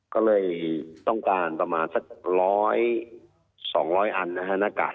ก็เลยต้องการประมาณสักร้อยสองร้อยอันนะครับหน้ากาก